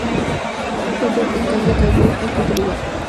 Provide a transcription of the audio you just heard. Vettel, en cambio, cayó al quinto lugar.